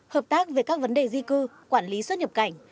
hợp tác về các vấn đề di cư quản lý xuất nhập cảnh